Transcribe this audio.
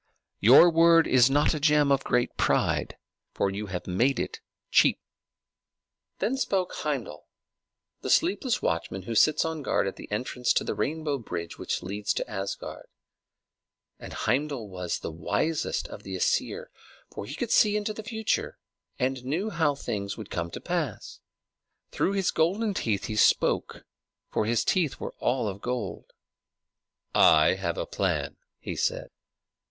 "Your word is not a gem of great price, for you have made it cheap." Then spoke Heimdal, the sleepless watchman who sits on guard at the entrance to the rainbow bridge which leads to Asgard; and Heimdal was the wisest of the Æsir, for he could see into the future, and knew how things would come to pass. Through his golden teeth he spoke, for his teeth were all of gold. "I have a plan," he said.